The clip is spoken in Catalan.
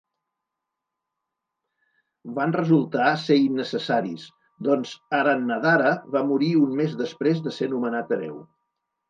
Van resultar ser innecessaris, doncs Aratnadara va morir un mes després de ser nomenat hereu.